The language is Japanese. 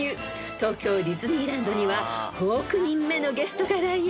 ［東京ディズニーランドには５億人目のゲストが来園］